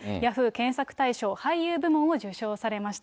検索大賞俳優部門を受賞されました。